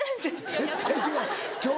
絶対違う？